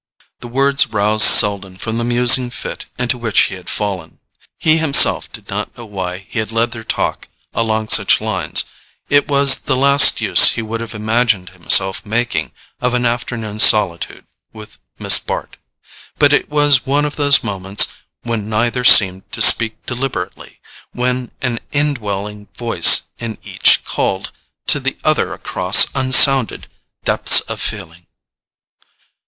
The words roused Selden from the musing fit into which he had fallen. He himself did not know why he had led their talk along such lines; it was the last use he would have imagined himself making of an afternoon's solitude with Miss Bart. But it was one of those moments when neither seemed to speak deliberately, when an indwelling voice in each called to the other across unsounded depths of feeling.